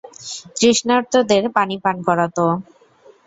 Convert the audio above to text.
তৃষ্ণার্তদের পানি পান করাত।